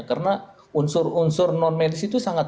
karena unsur unsur non medis itu sangat